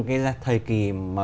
cái thời kỳ